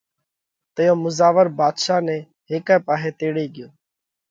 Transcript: تئيون مُزاور ڀاڌشا نئہ هيڪئہ پاهئہ تيڙي ڳيو